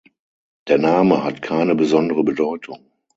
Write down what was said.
Der Name hat keine besondere Bedeutung.